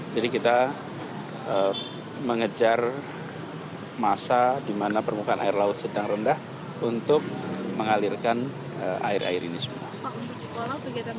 jadi kita mengejar masa di mana permukaan air laut sedang rendah untuk mengalirkan air air ini semua